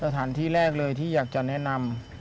สถานที่แรกเลยที่อยากจะแนะนำ